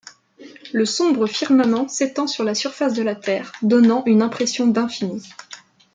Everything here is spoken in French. Le sombre firmament s'étend sur la surface de la terre donnant une impression d'infini.